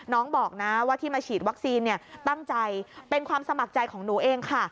บอกนะว่าที่มาฉีดวัคซีนตั้งใจเป็นความสมัครใจของหนูเองค่ะ